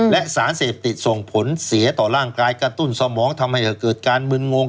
และสารเสพติดส่งผลเสียต่อร่างกายกระตุ้นสมองทำให้เกิดการมึนงง